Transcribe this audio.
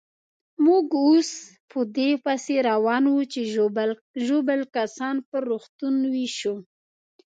موږ اوس په دې پسې روان وو چې ژوبل کسان پر روغتونو وېشو.